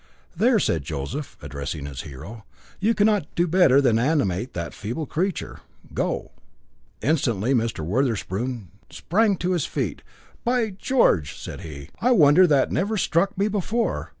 "There," said Joseph, addressing his hero. "You cannot do better than animate that feeble creature. Go!" Instantly Mr. Wotherspoon sprang to his feet. "By George!" said he. "I wonder that never struck me before.